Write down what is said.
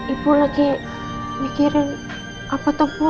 ibu lagi mikirin apa toko